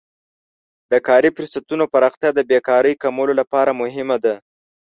د کاري فرصتونو پراختیا د بیکارۍ کمولو لپاره مهمه ده.